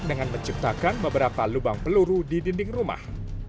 dengan menciptakan beberapa lubang peluru di dinding rumah